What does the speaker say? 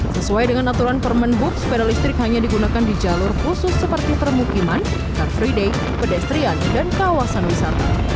sesuai dengan aturan permen bud sepeda listrik hanya digunakan di jalur khusus seperti permukiman car free day pedestrian dan kawasan wisata